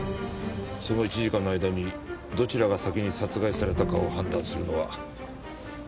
その１時間の間にどちらが先に殺害されたかを判断するのはかなり難しいな。